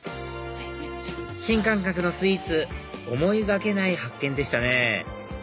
新感覚のスイーツ思いがけない発見でしたね